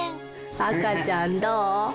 赤ちゃんどお？